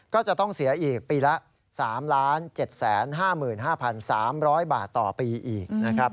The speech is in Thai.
ก็จะต้องเสียอีกปีละ๓๗๕๕๓๐๐บาทต่อปีอีกนะครับ